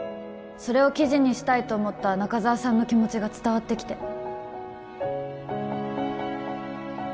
それを記事にしたいと思った中沢さんの気持ちが伝わってきて